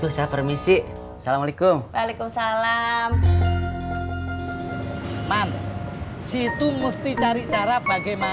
sampai jumpa di video selanjutnya